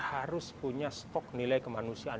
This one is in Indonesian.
harus punya stok nilai kemanusiaan